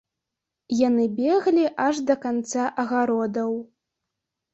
Яны беглі аж да канца агародаў.